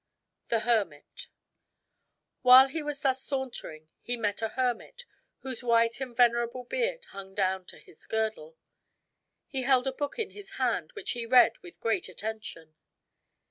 THE HERMIT While he was thus sauntering he met a hermit, whose white and venerable beard hung down to his girdle. He held a book in his hand, which he read with great attention.